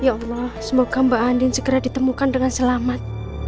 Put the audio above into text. ya allah semoga mbak andin segera ditemukan dengan selamat